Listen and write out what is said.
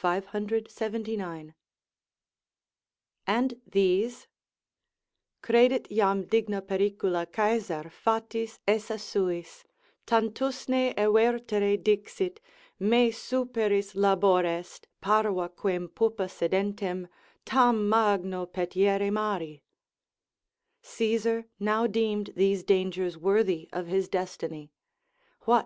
] And these: "Credit jam digna pericula Caesar Fatis esse suis; tantusne evertere, dixit, Me superis labor est, parva quern puppe sedentem, Tam magno petiere mari;" ["Caesar now deemed these dangers worthy of his destiny: 'What!